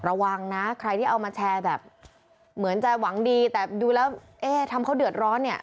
ระวังนะใครที่เอามาแชร์แบบเหมือนจะหวังดีแต่ดูแล้วเอ๊ะทำเขาเดือดร้อนเนี่ย